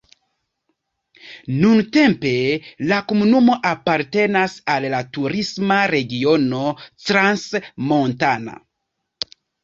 Nuntempe la komunumo apartenas al la turisma regiono Crans-Montana.